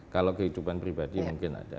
kalau kehidupan pribadi mungkin ada